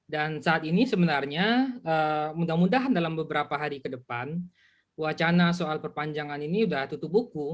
dan saat ini sebenarnya mudah mudahan dalam beberapa hari ke depan wacana soal perpanjangan ini sudah tutup buku